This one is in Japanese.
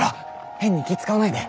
変に気ぃ使わないで。